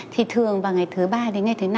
thì thường vào ngày thứ ba đến ngày thứ năm